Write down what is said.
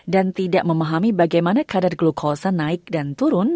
dan tidak memahami bagaimana kadar glukosa naik dan turun